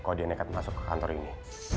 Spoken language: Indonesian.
kalau dia nekat masuk ke kantor ini